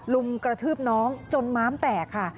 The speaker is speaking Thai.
ลุมกระทืบน้องจนม้ามแตกค่ะ